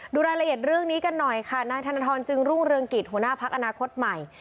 ดูรายละเอียดเรื่องนี้กันหน่อยค่ะนายธนทรจึงรุ่งเรืองกิจหัวหน้าพักอนาคตใหม่